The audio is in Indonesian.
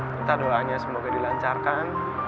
minta doanya semoga dilancarkan